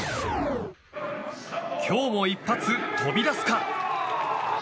今日も一発飛び出すか？